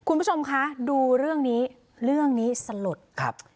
คุณผู้ชมคะดูเรื่องนี้เรื่องนี้สลดครับ